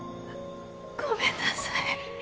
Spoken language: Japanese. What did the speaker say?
ごめんなさい。